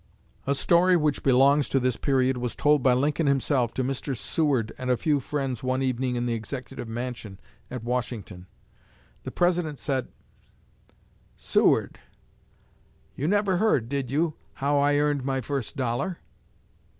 A story which belongs to this period was told by Lincoln himself to Mr. Seward and a few friends one evening in the Executive Mansion at Washington. The President said: "Seward, you never heard, did you, how I earned my first dollar?"